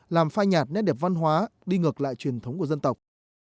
làm phai nhạt nét đẹp văn hóa đi ngược lại truyền thống của dân tộc